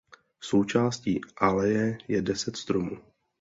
Součástí aleje je deset stromů.